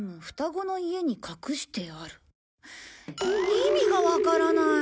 意味がわからない。